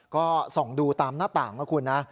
ก็ส่องดูตามหน้าต่างนะคุณนะ